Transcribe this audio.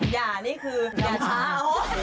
อย่านี่คืออย่าเช้า